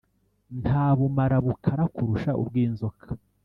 Nta bumara bukara kurusha ubw’inzoka,